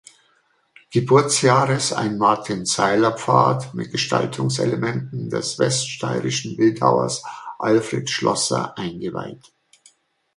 Geburtsjahres ein Martin-Zeiller-Pfad mit Gestaltungselementen des weststeirischen Bildhauers Alfred Schlosser eingeweiht.